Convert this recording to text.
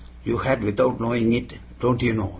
you had without knowing it, don't you know?"